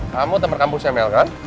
kamu teman kampusnya mel kan